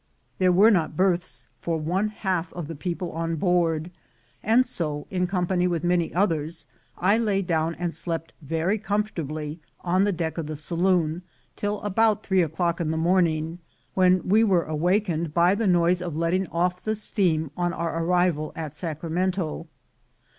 There were not berths for one half of the people on board; and so, in company with many others, I lay down and slept very comfortably on the deck of the saloon till about three o'clock in the morning, when we were awakened by the noise of letting off the steam on our arrival at Sacramento.